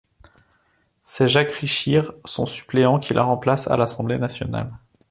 C'est Jacques Richir, son suppléant qui la remplace à l'Assemblée Nationale.